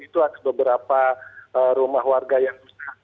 itu ada beberapa rumah warga yang rusak